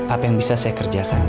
apa yang bisa saya kerjakan